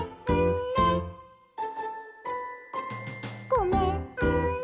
「ごめんね」